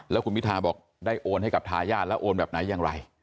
แล้วคุณพิทาบอกได้โอนให้กับทายาทแล้วโอนแบบไหนอย่างไร